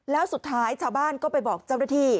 แล้วสุดท้ายชาวบ้านก็ไปบอกเจ้าหน้าที่